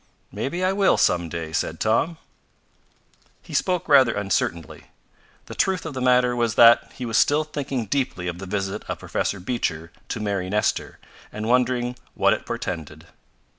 "Maybe I will, some day," said Tom. He spoke rather uncertainly. The truth of the matter was that he was still thinking deeply of the visit of Professor Beecher to Mary Nestor, and wondering what it portended.